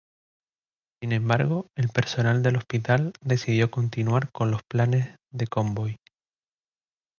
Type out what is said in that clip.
Sin embargo, el personal del hospital decidió continuar con los planes de convoy.